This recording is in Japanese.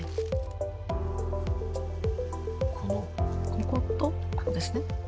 こことここですね。